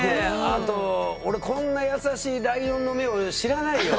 あと俺こんな優しいライオンの目を知らないよ。